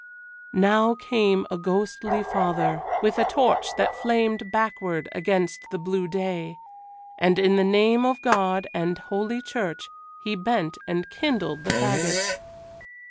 Now came a ghostly father, with a torch that flamed backward against the blue day, and in the name of God and Holy Church he bent and kindled the fagots.